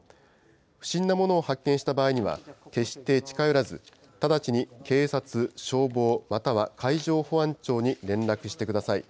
不審なものを発見した場合には、決して近寄らず、直ちに警察、消防、または海上保安庁に連絡してください。